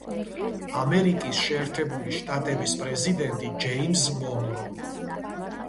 ამერიკის შეერთებული შტატების პრეზიდენტი ჯეიმზ მონრო.